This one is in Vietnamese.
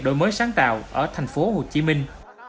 đổi mới sáng tạo ở thành phố hồ chí minh